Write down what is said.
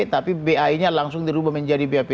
tapi bai nya langsung dirubah menjadi bap